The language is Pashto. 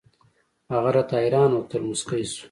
هغه راته حيران وكتل موسكى سو.